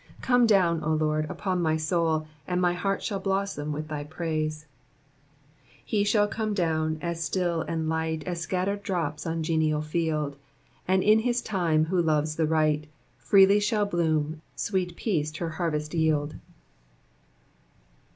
Come down, O Lord, upon my soul, and my heart shall blossom with thy praise :—He Phnll come down as still and light As* pcatter'd drops on ^eninl field ; And 111 his time who loves the rljfht, Freely shall bloom, sweet peace her har\'est yield."